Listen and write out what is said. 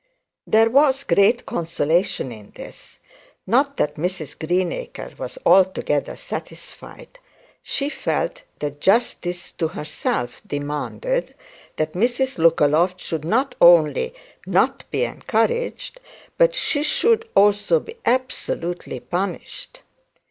There was great consolation in this. Not that Mrs Greenacre was altogether satisfied. She felt that justice to herself demanded that Mrs Lookaloft should not only not be encouraged, but that she should also be absolutely punished.